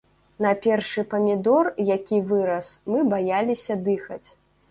На першы памідор, які вырас, мы баяліся дыхаць.